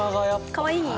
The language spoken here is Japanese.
かわいい？